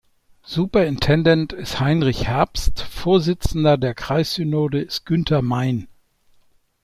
Superintendent ist Henrich Herbst, Vorsitzender der Kreissynode ist Günter Meyn.